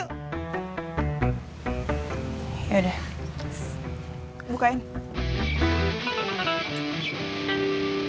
udah ga ada yang ngeliat